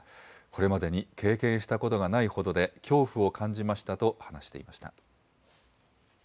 これまでに経験したことがないほどで、恐怖を感じましたと話していました。